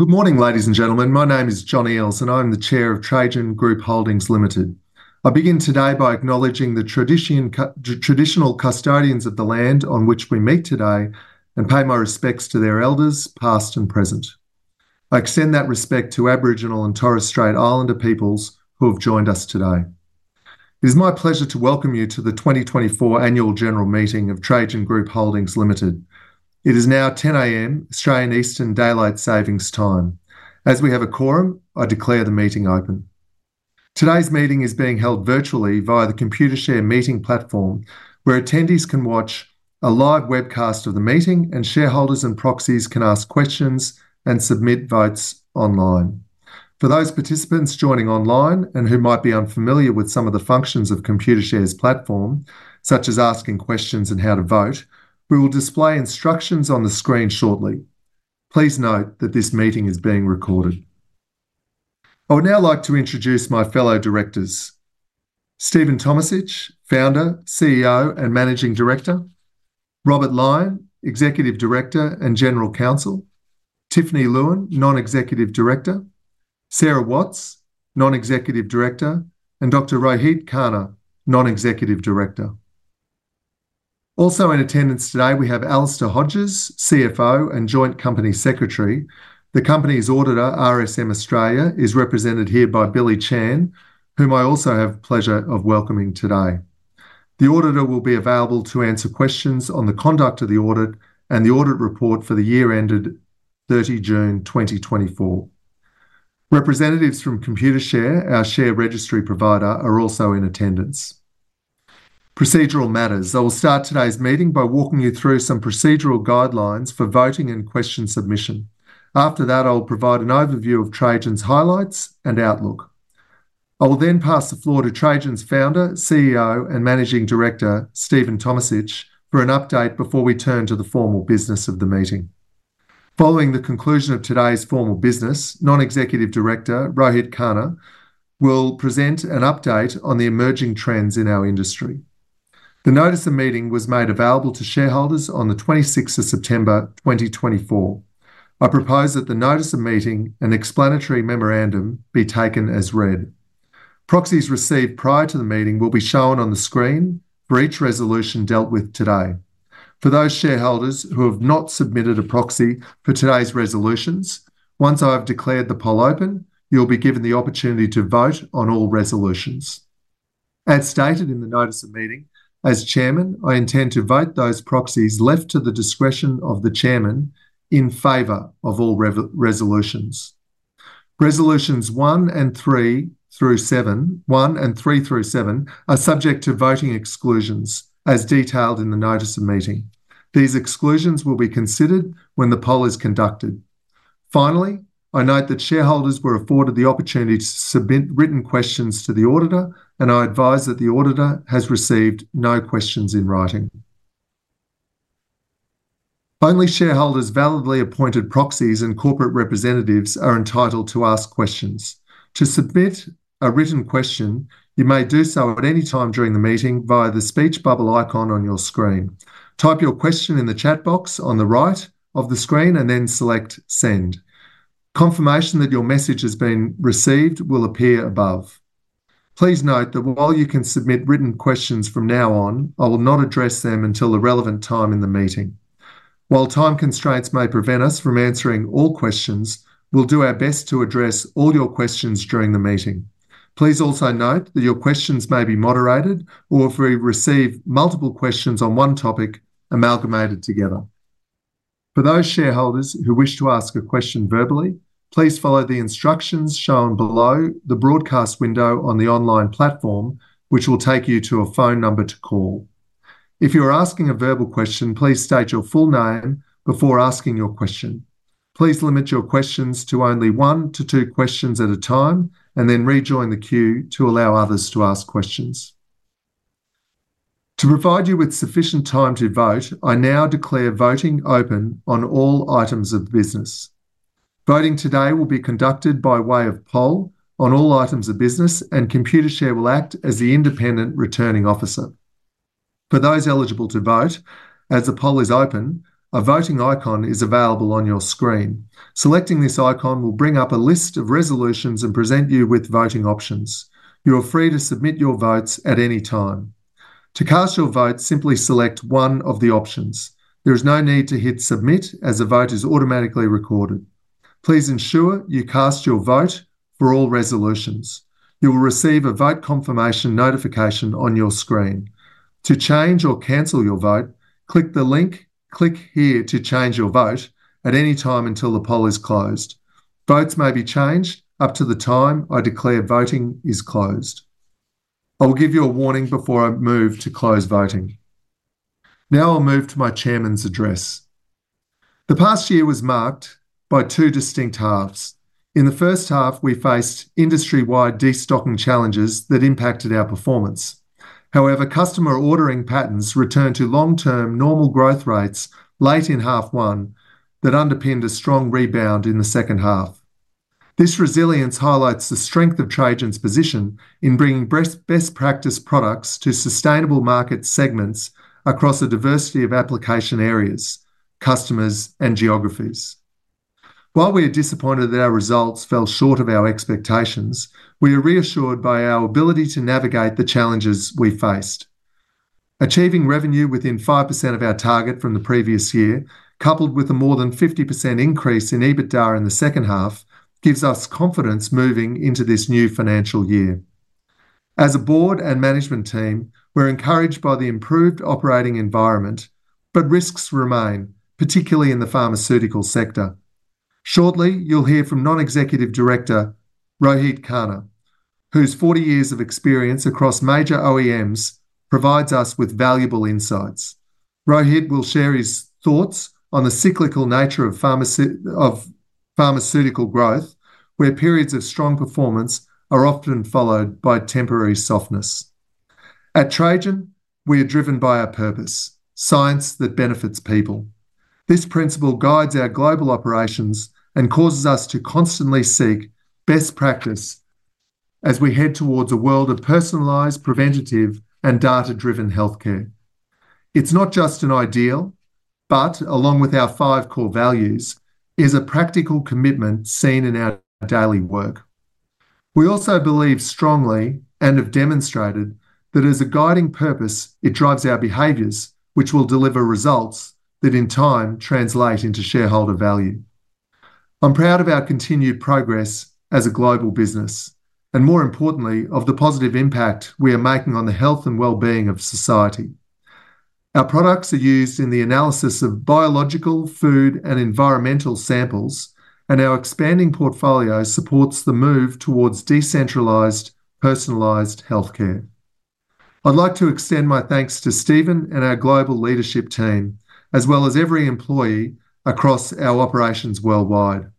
Good morning, ladies and gentlemen. My name is John Eales, and I'm the Chair of Trajan Group Holdings Limited. I begin today by acknowledging the traditional custodians of the land on which we meet today, and pay my respects to their elders, past and present. I extend that respect to Aboriginal and Torres Strait Islander peoples who have joined us today. It is my pleasure to welcome you to the 2024 Annual General Meeting of Trajan Group Holdings Limited. It is now 10:00 A.M., Australian Eastern Daylight Saving Time. As we have a quorum, I declare the meeting open. Today's meeting is being held virtually via the Computershare meeting platform, where attendees can watch a live webcast of the meeting, and shareholders and proxies can ask questions and submit votes online. For those participants joining online and who might be unfamiliar with some of the functions of Computershare's platform, such as asking questions and how to vote, we will display instructions on the screen shortly. Please note that this meeting is being recorded. I would now like to introduce my fellow directors: Stephen Tomisich, Founder, CEO, and Managing Director, Robert Lyne, Executive Director and General Counsel, Tiffiny Lewin, non-executive director, Sara Watts, non-executive director, and Dr. Rohit Khanna, non-executive director. Also in attendance today, we have Alister Hodges, CFO and Joint Company Secretary. The company's auditor, RSM Australia, is represented here by Billy Chan, whom I also have the pleasure of welcoming today. The auditor will be available to answer questions on the conduct of the audit and the audit report for the year ended 30th June 2024. Representatives from Computershare, our share registry provider, are also in attendance. Procedural matters. I will start today's meeting by walking you through some procedural guidelines for voting and question submission. After that, I'll provide an overview of Trajan's highlights and outlook. I will then pass the floor to Trajan's Founder, CEO, and Managing Director, Stephen Tomisich, for an update before we turn to the formal business of the meeting. Following the conclusion of today's formal business, non-executive director, Rohit Khanna, will present an update on the emerging trends in our industry. The notice of meeting was made available to shareholders on the 26th of September, 2024. I propose that the notice of meeting and explanatory memorandum be taken as read. Proxies received prior to the meeting will be shown on the screen for each resolution dealt with today. For those shareholders who have not submitted a proxy for today's resolutions, once I have declared the poll open, you'll be given the opportunity to vote on all resolutions. As stated in the notice of meeting, as Chairman, I intend to vote those proxies left to the discretion of the Chairman in favor of all resolutions. Resolutions one and three through seven are subject to voting exclusions, as detailed in the notice of meeting. These exclusions will be considered when the poll is conducted. Finally, I note that shareholders were afforded the opportunity to submit written questions to the auditor, and I advise that the auditor has received no questions in writing. Only shareholders, validly appointed proxies, and corporate representatives are entitled to ask questions. To submit a written question, you may do so at any time during the meeting via the speech bubble icon on your screen. Type your question in the chat box on the right of the screen, and then select Send. Confirmation that your message has been received will appear above. Please note that while you can submit written questions from now on, I will not address them until the relevant time in the meeting. While time constraints may prevent us from answering all questions, we'll do our best to address all your questions during the meeting. Please also note that your questions may be moderated, or if we receive multiple questions on one topic, amalgamated together. For those shareholders who wish to ask a question verbally, please follow the instructions shown below the broadcast window on the online platform, which will take you to a phone number to call. If you're asking a verbal question, please state your full name before asking your question. Please limit your questions to only one to two questions at a time, and then rejoin the queue to allow others to ask questions. To provide you with sufficient time to vote, I now declare voting open on all items of business. Voting today will be conducted by way of poll on all items of business, and Computershare will act as the independent returning officer. For those eligible to vote, as the poll is open, a voting icon is available on your screen. Selecting this icon will bring up a list of resolutions and present you with voting options. You are free to submit your votes at any time. To cast your vote, simply select one of the options. There is no need to hit Submit, as the vote is automatically recorded. Please ensure you cast your vote for all resolutions. You will receive a vote confirmation notification on your screen. To change or cancel your vote, click the link, Click here to change your vote, at any time until the poll is closed. Votes may be changed up to the time I declare voting is closed. I will give you a warning before I move to close voting. Now I'll move to my Chairman's address. The past year was marked by two distinct halves. In the first-half, we faced industry-wide destocking challenges that impacted our performance. However, customer ordering patterns returned to long-term normal growth rates late in half one that underpinned a strong rebound in the second-half.... This resilience highlights the strength of Trajan's position in bringing best practice products to sustainable market segments across a diversity of application areas, customers, and geographies. While we are disappointed that our results fell short of our expectations, we are reassured by our ability to navigate the challenges we faced. Achieving revenue within 5% of our target from the previous year, coupled with a more than 50% increase in EBITDA in the second-half, gives us confidence moving into this new financial year. As a board and management team, we're encouraged by the improved operating environment, but risks remain, particularly in the pharmaceutical sector. Shortly, you'll hear from non-executive director, Rohit Khanna, whose forty years of experience across major OEMs provides us with valuable insights. Rohit Khanna will share his thoughts on the cyclical nature of pharmaceutical growth, where periods of strong performance are often followed by temporary softness. At Trajan, we are driven by our purpose: science that benefits people. This principle guides our global operations and causes us to constantly seek best practice as we head towards a world of personalized, preventative, and data-driven healthcare. It's not just an ideal, but along with our five core values, is a practical commitment seen in our daily work. We also believe strongly, and have demonstrated, that as a guiding purpose, it drives our behaviors, which will deliver results that, in time, translate into shareholder value. I'm proud of our continued progress as a global business, and more importantly, of the positive impact we are making on the health and well-being of society. Our products are used in the analysis of biological, food, and environmental samples, and our expanding portfolio supports the move towards decentralized, personalized healthcare. I'd like to extend my thanks to Stephen Tomisich and our global leadership team, as well as every employee across our operations worldwide.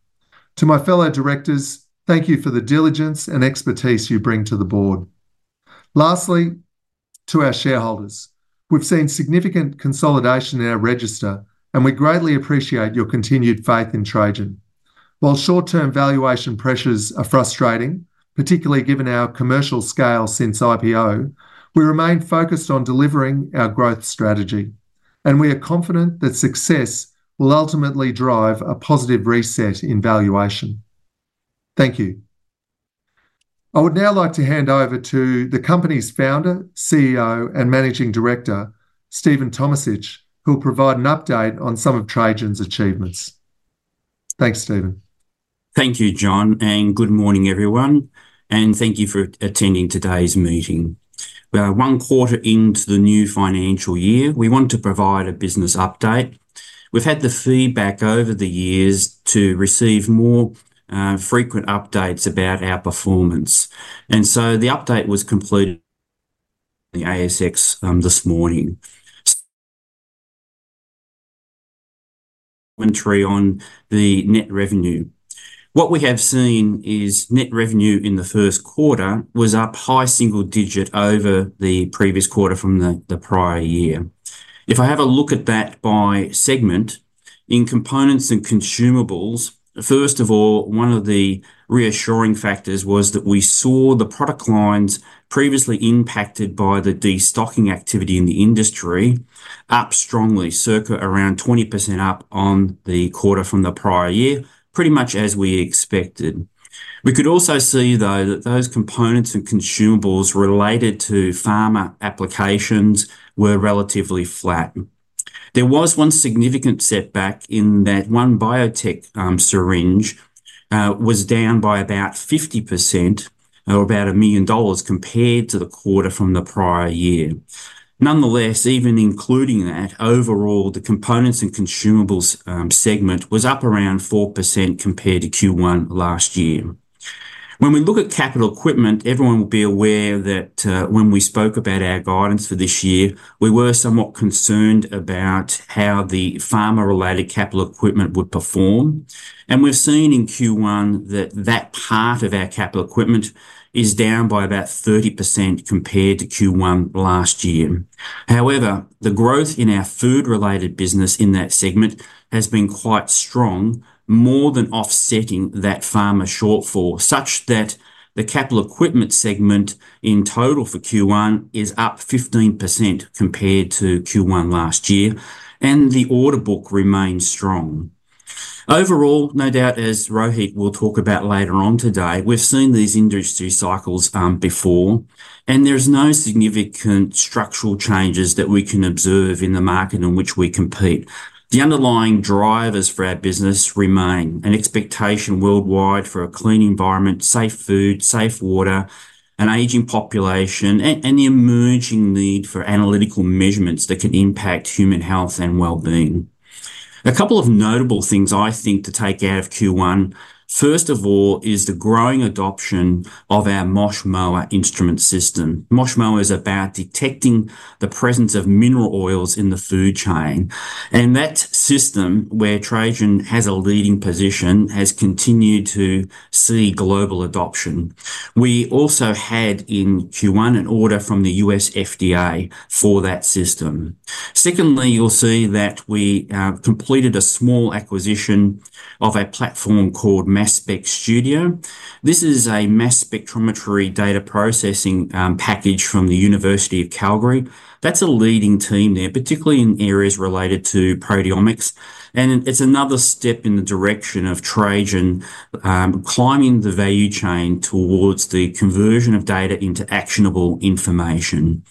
To my fellow directors, thank you for the diligence and expertise you bring to the board. Lastly, to our shareholders, we've seen significant consolidation in our register, and we greatly appreciate your continued faith in Trajan. While short-term valuation pressures are frustrating, particularly given our commercial scale since IPO, we remain focused on delivering our growth strategy, and we are confident that success will ultimately drive a positive reset in valuation. Thank you. I would now like to hand over to the company's founder, CEO, and managing director, Stephen Tomisich, who'll provide an update on some of Trajan's achievements. Thanks, Stephen Tomisich. Thank you, John Eales, and good morning, everyone, and thank you for attending today's meeting. We are one quarter into the new financial year. We want to provide a business update. We've had the feedback over the years to receive more, frequent updates about our performance, and so the update was released to the ASX this morning. Commentary on the net revenue. What we have seen is net revenue in the Q1 was up high-single-digit over the previous quarter from the prior year. If I have a look at that by segment, in components and consumables, first of all, one of the reassuring factors was that we saw the product lines previously impacted by the destocking activity in the industry up strongly, circa around 20% up on the quarter from the prior year, pretty much as we expected. We could also see, though, that those components and consumables related to pharma applications were relatively flat. There was one significant setback in that one biotech syringe was down by about 50%, or about 1 million dollars, compared to the quarter from the prior year. Nonetheless, even including that, overall, the components and consumables segment was up around 4% compared to Q1 last year. When we look at capital equipment, everyone will be aware that, when we spoke about our guidance for this year, we were somewhat concerned about how the pharma-related capital equipment would perform, and we've seen in Q1 that that part of our capital equipment is down by about 30% compared to Q1 last year. However, the growth in our food-related business in that segment has been quite strong, more than offsetting that pharma shortfall, such that the capital equipment segment in total for Q1 is up 15% compared to Q1 last year, and the order book remains strong. Overall, no doubt, as Rohit Khanna will talk about later on today, we've seen these industry cycles, before, and there's no significant structural changes that we can observe in the market in which we compete. The underlying drivers for our business remain: an expectation worldwide for a clean environment, safe food, safe water, an aging population, and the emerging need for analytical measurements that can impact human health and well-being.... A couple of notable things I think to take out of Q1, first of all, is the growing adoption of our MOSH/MOAH instrument system. MOSH/MOAH is about detecting the presence of mineral oils in the food chain, and that system, where Trajan has a leading position, has continued to see global adoption. We also had in Q1 an order from the U.S. FDA for that system. Secondly, you'll see that we completed a small acquisition of a platform called Mass Spec Studio. This is a mass spectrometry data processing package from the University of Calgary. That's a leading team there, particularly in areas related to proteomics, and it's another step in the direction of Trajan climbing the value chain towards the conversion of data into actionable information.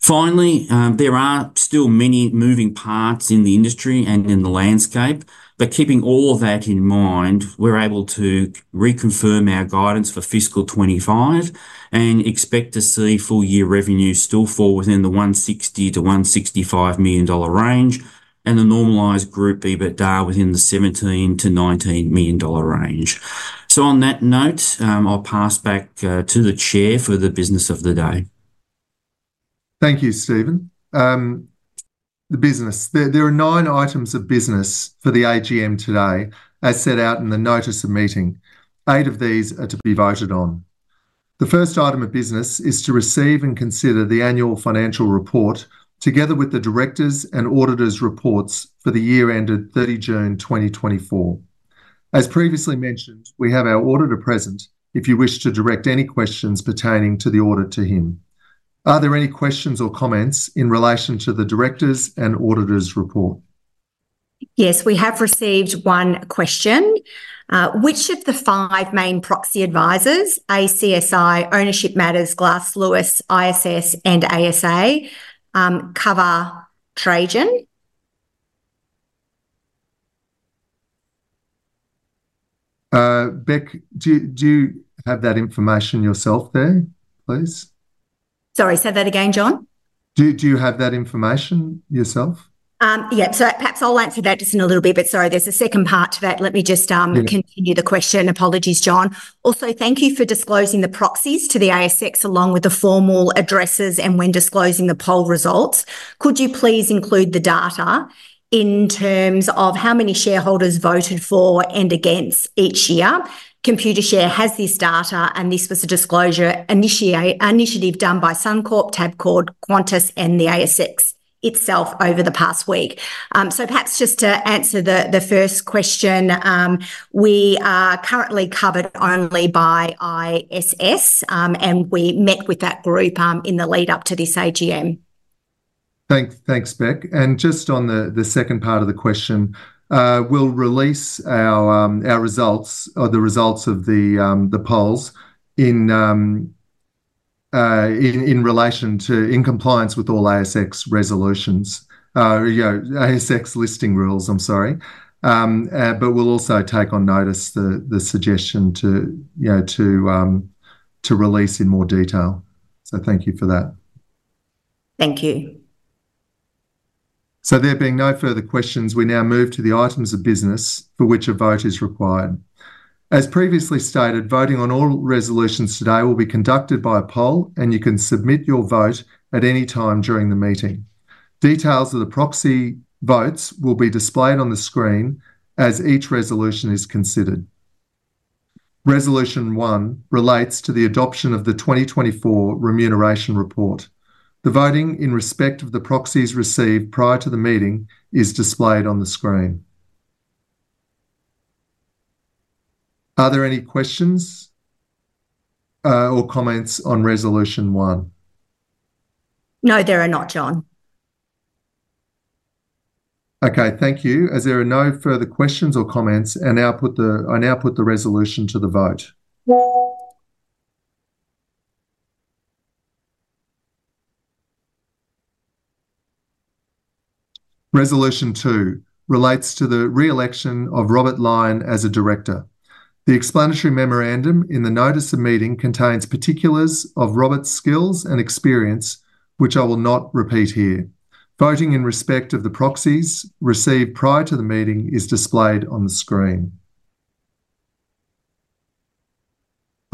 Finally, there are still many moving parts in the industry and in the landscape, but keeping all of that in mind, we're able to reconfirm our guidance for fiscal 2025, and expect to see full-year revenue still fall within the 160 million-165 million dollar range, and the normalized group EBITDA within the 17 million-19 million dollar range. So on that note, I'll pass back to the chair for the business of the day. Thank you, Stephen Tomisich. The business. There are nine items of business for the AGM today, as set out in the notice of meeting. Eight of these are to be voted on. The first item of business is to receive and consider the annual financial report, together with the directors' and auditors' reports for the year ended 30th June 2024. As previously mentioned, we have our auditor present if you wish to direct any questions pertaining to the audit to him. Are there any questions or comments in relation to the directors' and auditors' report? Yes, we have received one question. Which of the five main proxy advisors, ACSI, Ownership Matters, Glass Lewis, ISS, and ASA, cover Trajan? Rebecca Wilson, do you have that information yourself there, please? Sorry, say that again, John Eales. Do you have that information yourself? Yeah, so perhaps I'll answer that just in a little bit, but sorry, there's a second part to that. Let me just, Yeah... continue the question. Apologies, John Eales. Also, thank you for disclosing the proxies to the ASX, along with the formal addresses and when disclosing the poll results. Could you please include the data in terms of how many shareholders voted for and against each year? Computershare has this data, and this was a disclosure initiative done by Suncorp, Tabcorp, Qantas, and the ASX itself over the past week. So perhaps just to answer the first question, we are currently covered only by ISS, and we met with that group in the lead-up to this AGM. Thanks, Rebecca Wilson. And just on the second part of the question, we'll release our results or the results of the polls in relation to... In compliance with all ASX resolutions. You know, ASX listing rules, I'm sorry. But we'll also take on notice the suggestion to, you know, to release in more detail, so thank you for that. Thank you. So there being no further questions, we now move to the items of business for which a vote is required. As previously stated, voting on all resolutions today will be conducted by a poll, and you can submit your vote at any time during the meeting. Details of the proxy votes will be displayed on the screen as each resolution is considered. Resolution one relates to the adoption of the 2024 remuneration report. The voting in respect of the proxies received prior to the meeting is displayed on the screen. Are there any questions or comments on resolution one? No, there are not, John Eales. Okay, thank you. As there are no further questions or comments, I now put the, I now put the resolution to the vote. Resolution two relates to the re-election of Robert Lyne as a director. The explanatory memorandum in the notice of meeting contains particulars of Robert's skills and experience, which I will not repeat here. Voting in respect of the proxies received prior to the meeting is displayed on the screen.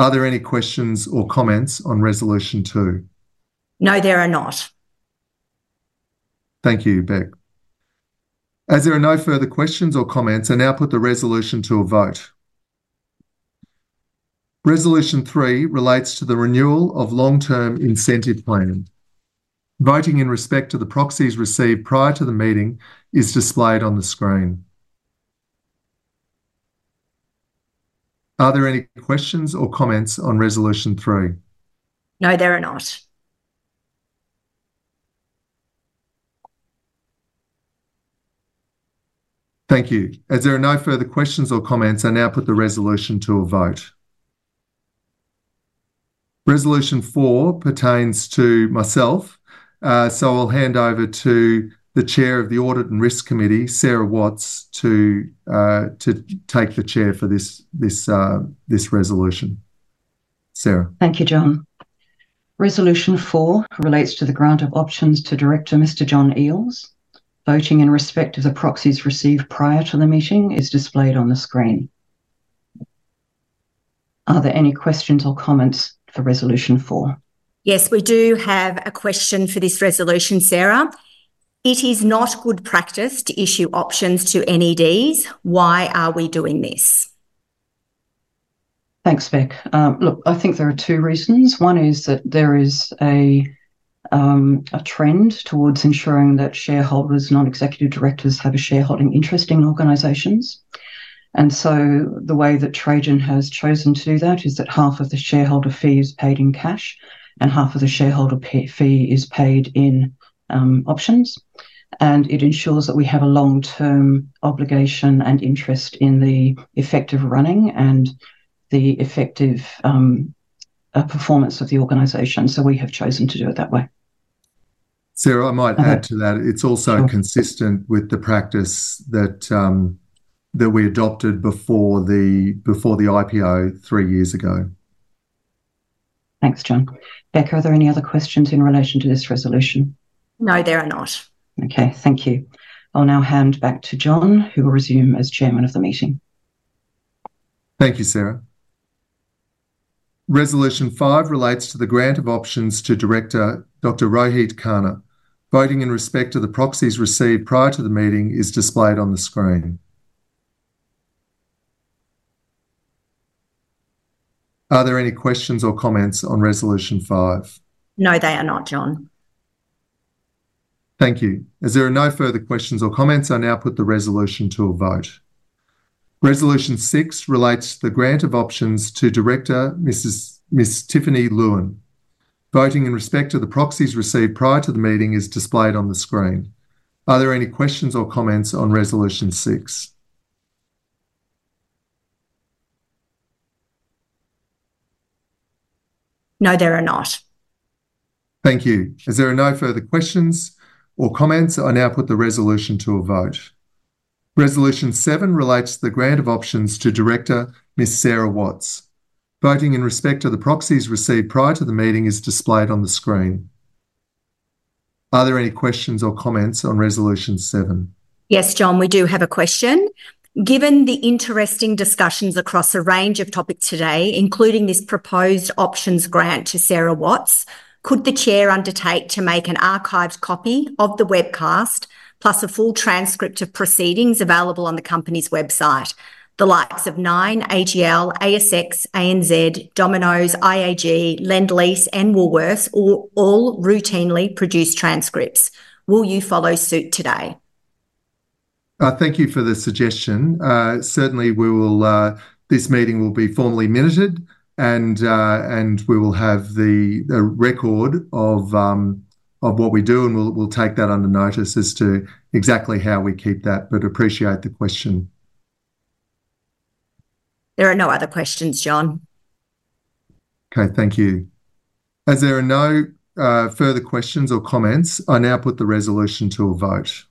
Are there any questions or comments on resolution two? No, there are not. Thank you, Rebecca Wilson. As there are no further questions or comments, I now put the resolution to a vote. Resolution three relates to the renewal of long-term incentive plan. Voting in respect to the proxies received prior to the meeting is displayed on the screen. Are there any questions or comments on resolution three? No, there are not. Thank you. As there are no further questions or comments, I now put the resolution to a vote. Resolution four pertains to myself, so I'll hand over to the chair of the Audit and Risk Committee, Sara Watts, to take the chair for this resolution. Sara Watts. Thank you, John Eales. Resolution four relates to the grant of options to Director, Mr. John Eales. Voting in respect to the proxies received prior to the meeting is displayed on the screen. Are there any questions or comments for resolution four? Yes, we do have a question for this resolution, Sara Watts. It is not good practice to issue options to NEDs. Why are we doing this? Thanks, Rebecca Wilson. Look, I think there are two reasons. One is that there is a trend towards ensuring that shareholders, non-executive directors, have a shareholding interest in organizations. And so the way that Trajan has chosen to do that is that half of the shareholder fee is paid in cash, and half of the shareholder fee is paid in options. And it ensures that we have a long-term obligation and interest in the effective running and the effective performance of the organization, so we have chosen to do it that way. Sara Watts, I might add to that. Sure. It's also consistent with the practice that we adopted before the IPO three years ago. Thanks, John Eales. Rebecca Wilson, are there any other questions in relation to this resolution? No, there are not. Okay, thank you. I'll now hand back to John Eales, who will resume as chairman of the meeting. Thank you, Sara Watts. Resolution five relates to the grant of options to Director Dr. Rohit Khanna. Voting in respect to the proxies received prior to the meeting is displayed on the screen. Are there any questions or comments on resolution five? No, there are not, John Eales. Thank you. As there are no further questions or comments, I now put the resolution to a vote. Resolution six relates to the grant of options to Director, Ms. Tiffiny Lewin. Voting in respect to the proxies received prior to the meeting is displayed on the screen. Are there any questions or comments on resolution six? No, there are not. Thank you. As there are no further questions or comments, I now put the resolution to a vote. Resolution seven relates to the grant of options to Director Ms. Sara Watts. Voting in respect to the proxies received prior to the meeting is displayed on the screen. Are there any questions or comments on resolution seven? Yes, John Eales, we do have a question. Given the interesting discussions across a range of topics today, including this proposed options grant to Sara Watts, could the Chair undertake to make an archived copy of the webcast, plus a full transcript of proceedings available on the company's website? The likes of Nine, AGL, ASX, ANZ, Domino's, IAG, Lendlease, and Woolworths all routinely produce transcripts. Will you follow suit today? Thank you for the suggestion. Certainly, we will. This meeting will be formally minuted, and we will have the record of what we do, and we'll take that under notice as to exactly how we keep that, but appreciate the question. There are no other questions, John Eales. Okay, thank you. As there are no further questions or comments, I now put the resolution to a vote.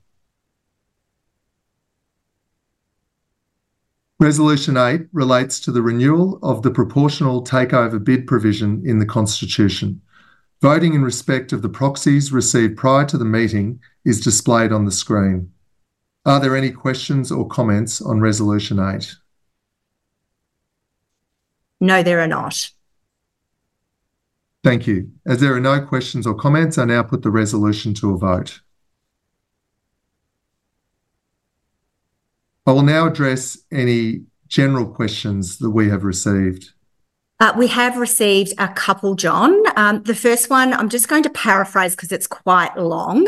Resolution eight relates to the renewal of the proportional takeover bid provision in the constitution. Voting in respect of the proxies received prior to the meeting is displayed on the screen. Are there any questions or comments on resolution eight? No, there are not. Thank you. As there are no questions or comments, I now put the resolution to a vote. I will now address any general questions that we have received. We have received a couple, John Eales. The first one, I'm just going to paraphrase 'cause it's quite long.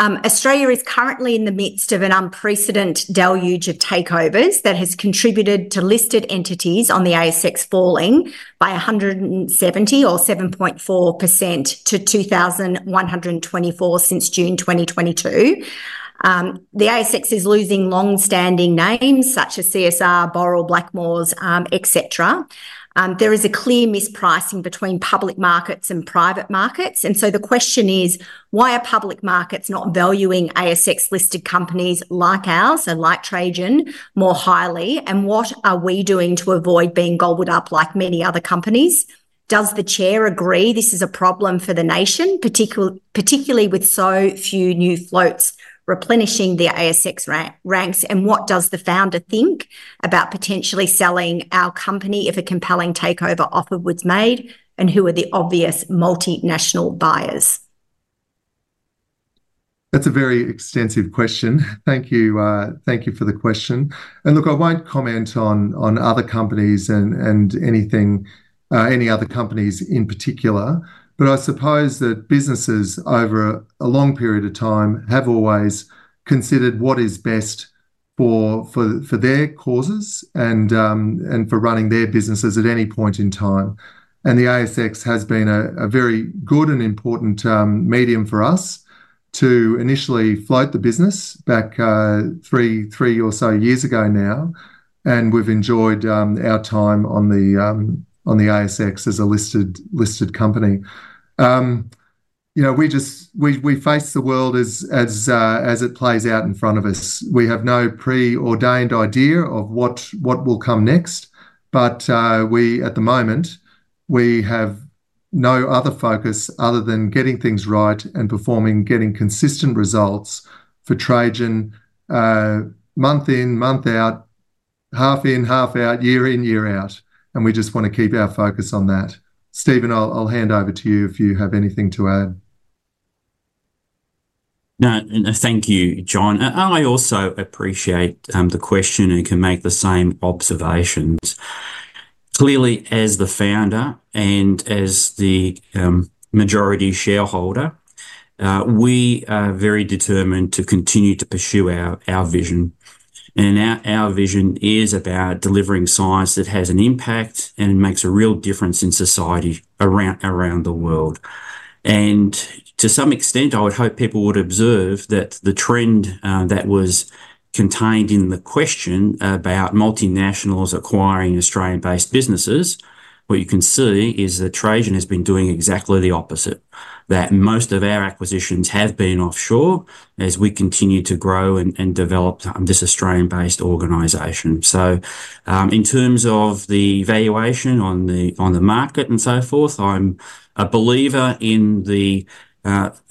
Australia is currently in the midst of an unprecedented deluge of takeovers that has contributed to listed entities on the ASX falling by 170 or 7.4% to 2,124 since June 2022. The ASX is losing long-standing names such as CSR, Boral, Blackmores, et cetera. There is a clear mispricing between public markets and private markets, and so the question is: Why are public markets not valuing ASX-listed companies like ours, and like Trajan, more highly, and what are we doing to avoid being gobbled up, like many other companies? Does the Chair agree this is a problem for the nation, particularly with so few new floats replenishing the ASX ranks, and what does the founder think about potentially selling our company if a compelling takeover offer was made, and who are the obvious multinational buyers? That's a very extensive question. Thank you, thank you for the question. And look, I won't comment on other companies and anything, any other companies in particular, but I suppose that businesses over a long period of time have always considered what is best for their causes and for running their businesses at any point in time. And the ASX has been a very good and important medium for us to initially float the business back three or so years ago now, and we've enjoyed our time on the ASX as a listed company. You know, we just, we face the world as it plays out in front of us. We have no preordained idea of what will come next. But, at the moment, we have no other focus other than getting things right and performing, getting consistent results for Trajan, month in, month out, half in, half out, year in, year out, and we just want to keep our focus on that. Stephen Tomisich, I'll hand over to you if you have anything to add. No, thank you, John Eales. I also appreciate the question, and can make the same observations. Clearly, as the founder and as the majority shareholder, we are very determined to continue to pursue our vision. And our vision is about delivering science that has an impact and makes a real difference in society around the world. And to some extent, I would hope people would observe that the trend that was contained in the question about multinationals acquiring Australian-based businesses, what you can see is that Trajan has been doing exactly the opposite. That most of our acquisitions have been offshore as we continue to grow and develop this Australian-based organization. In terms of the valuation on the market and so forth, I'm a believer in the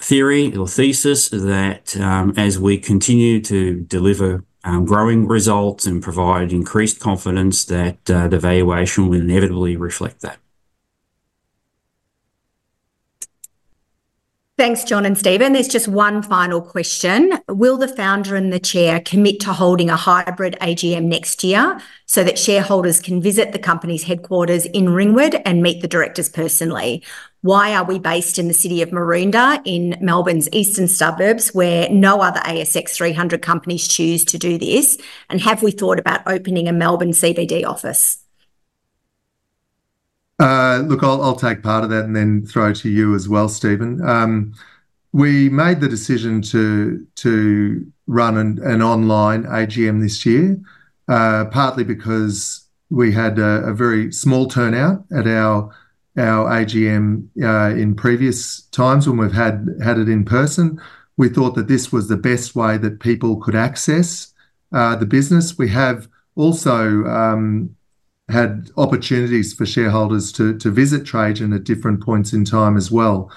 theory or thesis that, as we continue to deliver growing results and provide increased confidence, that the valuation will inevitably reflect that. Thanks, John Eales and Stephen Tomisich. There's just one final question: Will the founder and the chair commit to holding a hybrid AGM next year so that shareholders can visit the company's headquarters in Ringwood and meet the directors personally? Why are we based in the City of Maroondah in Melbourne's eastern suburbs, where no other ASX 300 companies choose to do this? And have we thought about opening a Melbourne CBD office? Look, I'll take part of that and then throw to you as well, Stephen Tomisich. We made the decision to run an online AGM this year, partly because we had a very small turnout at our AGM in previous times when we've had it in person. We thought that this was the best way that people could access the business. We have also had opportunities for shareholders to visit Trajan at different points in time as well,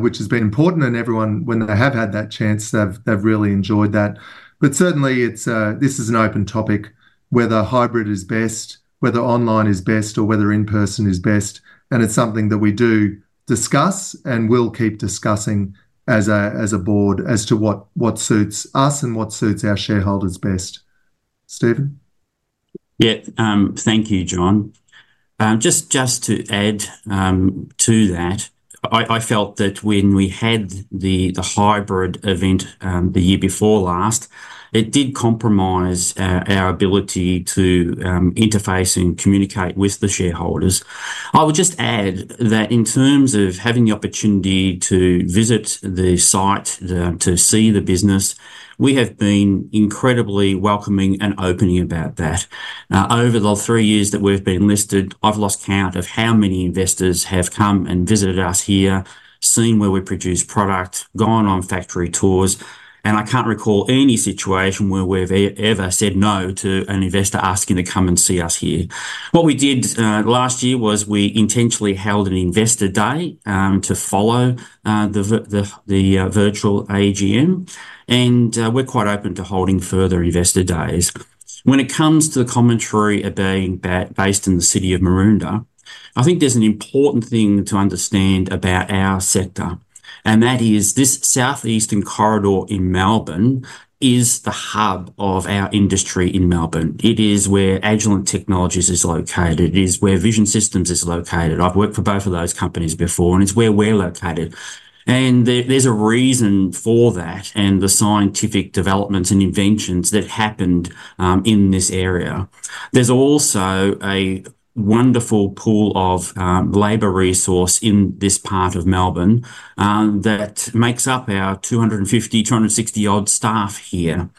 which has been important, and everyone, when they have had that chance, they've really enjoyed that. But certainly it's... This is an open topic, whether hybrid is best, whether online is best, or whether in person is best, and it's something that we do discuss and will keep discussing as a board as to what suits us and what suits our shareholders best. Stephen Tomisich? Yeah. Thank you, John Eales. Just to add to that, I felt that when we had the hybrid event the year before last, it did compromise our ability to interface and communicate with the shareholders. I would just add that in terms of having the opportunity to visit the site to see the business, we have been incredibly welcoming and open about that. Over the three years that we've been listed, I've lost count of how many investors have come and visited us here, seen where we produce product, gone on factory tours, and I can't recall any situation where we've ever said no to an investor asking to come and see us here. What we did last year was we intentionally held an investor day to follow the virtual AGM, and we're quite open to holding further investor days. When it comes to the commentary about being based in the City of Maroondah, I think there's an important thing to understand about our sector, and that is this southeastern corridor in Melbourne is the hub of our industry in Melbourne. It is where Agilent Technologies is located, it is where Vision Systems is located. I've worked for both of those companies before, and it's where we're located, and there's a reason for that, and the scientific developments and inventions that happened in this area. There's also a wonderful pool of labor resource in this part of Melbourne that makes up our 250-260 odd staff here.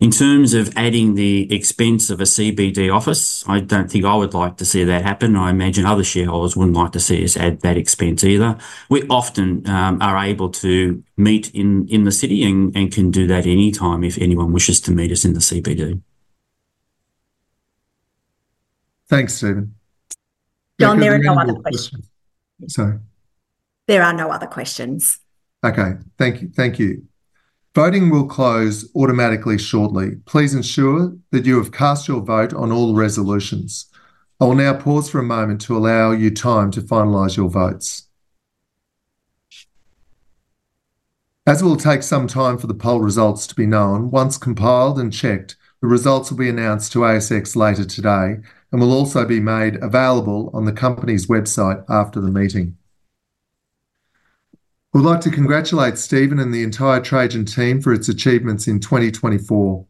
In terms of adding the expense of a CBD office, I don't think I would like to see that happen, and I imagine other shareholders wouldn't like to see us add that expense either. We often are able to meet in the city and can do that anytime if anyone wishes to meet us in the CBD. Thanks, Stephen Tomisich. John Eales, there are no other questions. Sorry? There are no other questions. Okay. Thank you, thank you. Voting will close automatically shortly. Please ensure that you have cast your vote on all resolutions. I will now pause for a moment to allow you time to finalize your votes. As it will take some time for the poll results to be known, once compiled and checked, the results will be announced to ASX later today and will also be made available on the company's website after the meeting. We'd like to congratulate Stephen Tomisich and the entire Trajan team for its achievements in 2024.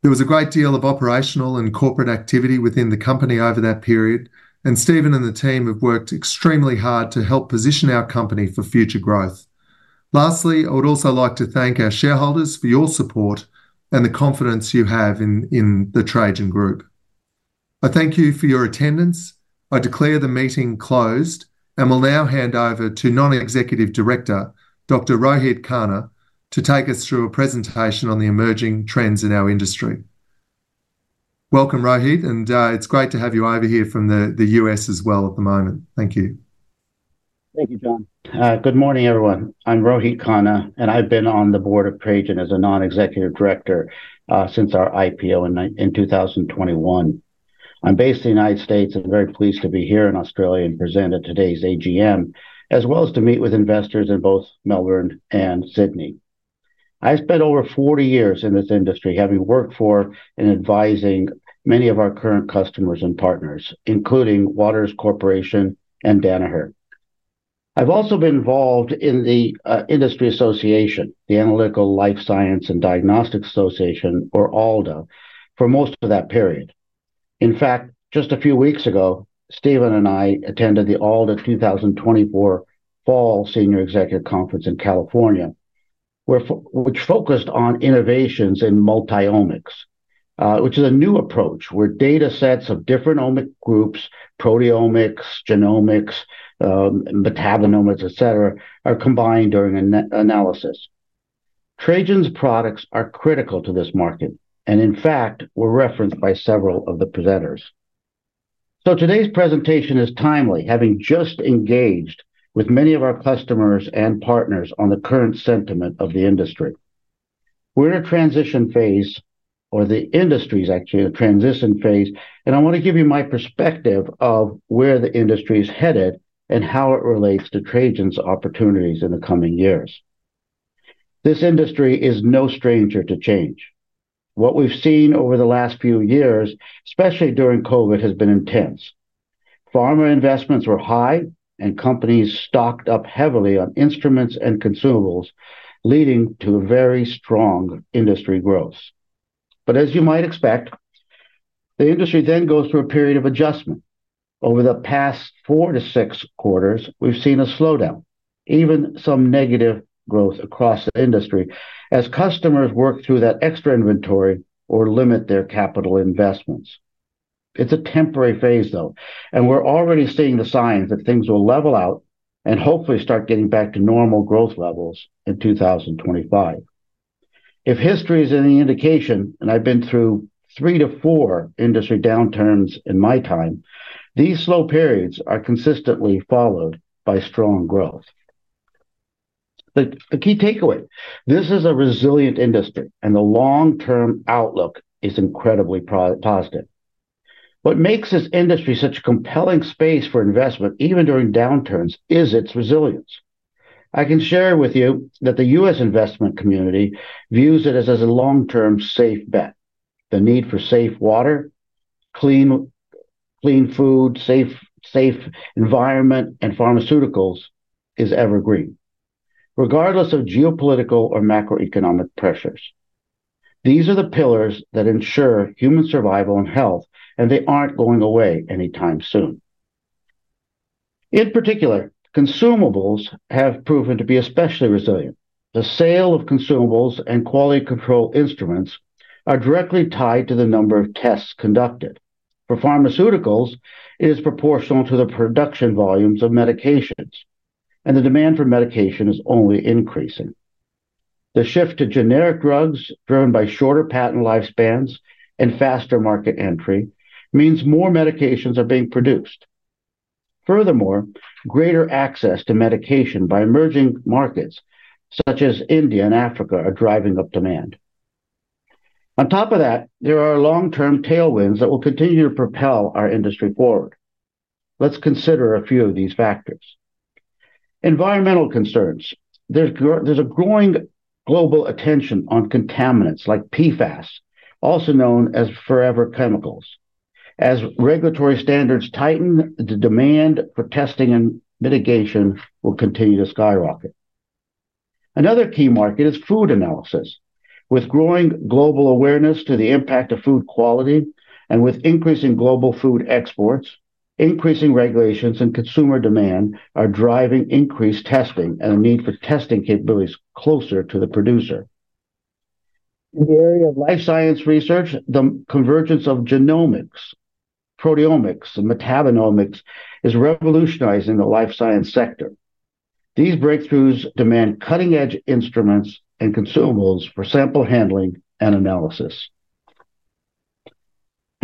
There was a great deal of operational and corporate activity within the company over that period, and Stephen Tomisich and the team have worked extremely hard to help position our company for future growth. Lastly, I would also like to thank our shareholders for your support and the confidence you have in the Trajan Group.... I thank you for your attendance. I declare the meeting closed, and will now hand over to non-executive director, Dr. Rohit Khanna, to take us through a presentation on the emerging trends in our industry. Welcome, Rohit Khanna, and it's great to have you over here from the U.S. as well at the moment. Thank you. Thank you, John Eales. Good morning, everyone. I'm Rohit Khanna, and I've been on the board of Trajan as a non-executive director since our IPO in two thousand and twenty-one. I'm based in the United States, and very pleased to be here in Australia and present at today's AGM, as well as to meet with investors in both Melbourne and Sydney. I spent over 40 years in this industry, having worked for and advising many of our current customers and partners, including Waters Corporation and Danaher. I've also been involved in the industry association, the Analytical, Life Science & Diagnostics Association, or ALDA, for most of that period. In fact, just a few weeks ago, Stephen Tomisich and I attended the ALDA 2024 Fall Senior Executive Conference in California, where, which focused on innovations in multi-omics, which is a new approach where data sets of different omic groups, proteomics, genomics, metabolomics, et cetera, are combined during an analysis. Trajan's products are critical to this market, and in fact, were referenced by several of the presenters. So today's presentation is timely, having just engaged with many of our customers and partners on the current sentiment of the industry. We're in a transition phase, or the industry is actually in a transition phase, and I want to give you my perspective of where the industry is headed and how it relates to Trajan's opportunities in the coming years. This industry is no stranger to change. What we've seen over the last few years, especially during COVID, has been intense. Pharma investments were high, and companies stocked up heavily on instruments and consumables, leading to a very strong industry growth. But as you might expect, the industry then goes through a period of adjustment. Over the past four to six quarters, we've seen a slowdown, even some negative growth across the industry as customers work through that extra inventory or limit their capital investments. It's a temporary phase, though, and we're already seeing the signs that things will level out and hopefully start getting back to normal growth levels in 2025. If history is any indication, and I've been through three to four industry downturns in my time, these slow periods are consistently followed by strong growth. But the key takeaway, this is a resilient industry and the long-term outlook is incredibly positive. What makes this industry such a compelling space for investment, even during downturns, is its resilience. I can share with you that the U.S. investment community views it as a long-term, safe bet. The need for safe water, clean food, safe environment, and pharmaceuticals is evergreen, regardless of geopolitical or macroeconomic pressures. These are the pillars that ensure human survival and health, and they aren't going away anytime soon. In particular, consumables have proven to be especially resilient. The sale of consumables and quality control instruments are directly tied to the number of tests conducted. For pharmaceuticals, it is proportional to the production volumes of medications, and the demand for medication is only increasing. The shift to generic drugs, driven by shorter patent lifespans and faster market entry, means more medications are being produced. Furthermore, greater access to medication by emerging markets such as India and Africa are driving up demand. On top of that, there are long-term tailwinds that will continue to propel our industry forward. Let's consider a few of these factors. Environmental concerns. There's a growing global attention on contaminants like PFAS, also known as forever chemicals. As regulatory standards tighten, the demand for testing and mitigation will continue to skyrocket. Another key market is food analysis. With growing global awareness to the impact of food quality and with increasing global food exports, increasing regulations and consumer demand are driving increased testing and a need for testing capabilities closer to the producer. In the area of life science research, the convergence of genomics, proteomics, and metabolomics is revolutionizing the life science sector. These breakthroughs demand cutting-edge instruments and consumables for sample handling and analysis,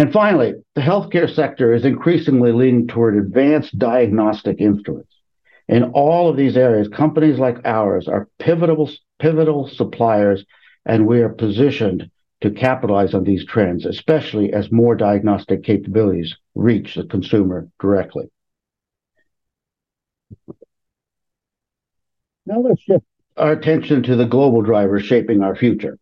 and finally, the healthcare sector is increasingly leaning toward advanced diagnostic instruments. In all of these areas, companies like ours are pivotal, pivotal suppliers, and we are positioned to capitalize on these trends, especially as more diagnostic capabilities reach the consumer directly. Now, let's shift our attention to the global drivers shaping our future.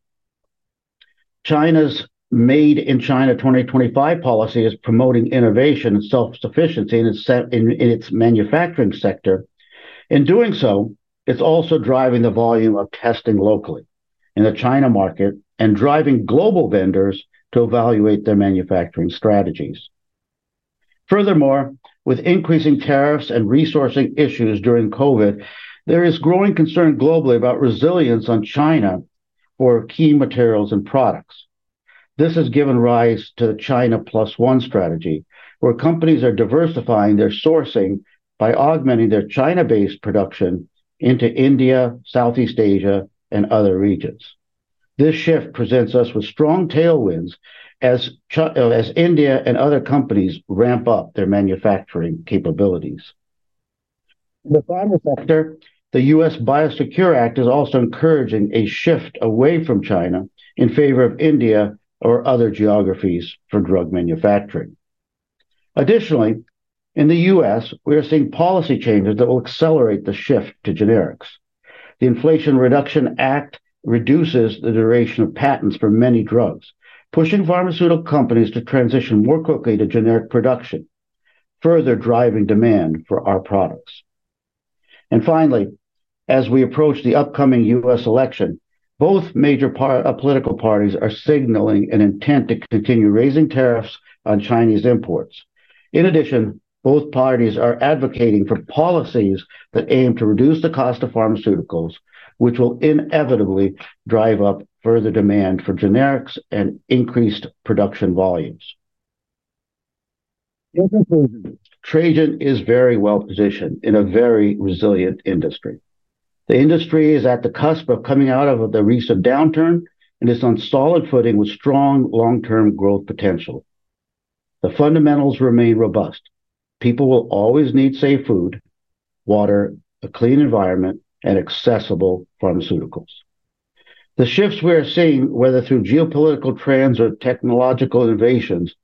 China's Made in China 2025 policy is promoting innovation and self-sufficiency in its manufacturing sector. In doing so, it's also driving the volume of testing locally in the China market and driving global vendors to evaluate their manufacturing strategies... Furthermore, with increasing tariffs and resourcing issues during COVID, there is growing concern globally about resilience on China for key materials and products. This has given rise to China Plus One strategy, where companies are diversifying their sourcing by augmenting their China-based production into India, Southeast Asia, and other regions. This shift presents us with strong tailwinds as India and other companies ramp up their manufacturing capabilities. In the pharma sector, the U.S. BIOSECURE Act is also encouraging a shift away from China in favor of India or other geographies for drug manufacturing. Additionally, in the U.S., we are seeing policy changes that will accelerate the shift to generics. The Inflation Reduction Act reduces the duration of patents for many drugs, pushing pharmaceutical companies to transition more quickly to generic production, further driving demand for our products. Finally, as we approach the upcoming U.S. election, both major parties are signaling an intent to continue raising tariffs on Chinese imports. In addition, both parties are advocating for policies that aim to reduce the cost of pharmaceuticals, which will inevitably drive up further demand for generics and increased production volumes. In conclusion, Trajan is very well positioned in a very resilient industry. The industry is at the cusp of coming out of the recent downturn and is on solid footing with strong long-term growth potential. The fundamentals remain robust. People will always need safe food, water, a clean environment, and accessible pharmaceuticals. The shifts we are seeing, whether through geopolitical trends or technological innovations,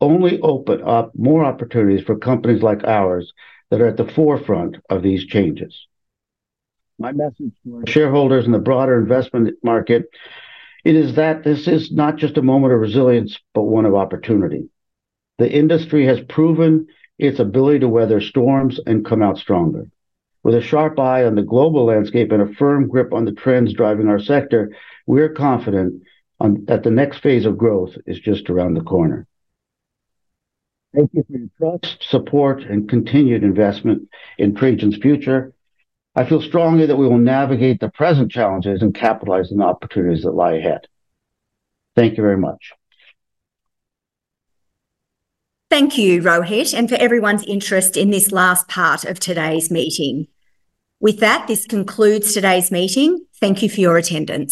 only open up more opportunities for companies like ours that are at the forefront of these changes. My message to our shareholders and the broader investment market it is that this is not just a moment of resilience, but one of opportunity. The industry has proven its ability to weather storms and come out stronger. With a sharp eye on the global landscape and a firm grip on the trends driving our sector, we're confident on... that the next phase of growth is just around the corner. Thank you for your trust, support, and continued investment in Trajan's future. I feel strongly that we will navigate the present challenges and capitalize on the opportunities that lie ahead. Thank you very much. Thank you, Rohit Khanna, and for everyone's interest in this last part of today's meeting. With that, this concludes today's meeting. Thank you for your attendance.